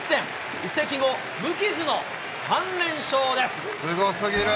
移籍後、無傷の３連すごすぎる。